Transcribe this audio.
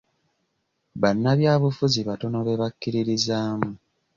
Bannabyabufuzi batono be bakiririzaamu.